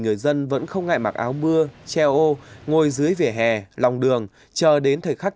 người dân vẫn không ngại mặc áo mưa treo ô ngồi dưới vỉa hè lòng đường chờ đến thời khắc